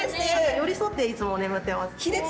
寄り添っていつも眠ってます。